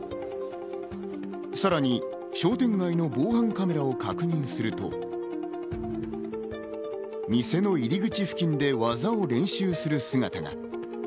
さらに商店街の防犯カメラを確認すると、店の入口付近で技を練習する姿が。